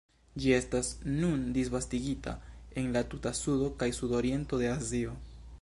Ĝi estas nun disvastigita en la tuta sudo kaj sudoriento de Azio.